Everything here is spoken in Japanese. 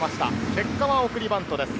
結果は送りバントです。